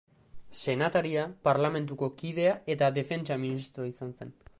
Senataria, parlamentuko kidea eta defentsa-ministro izan zen.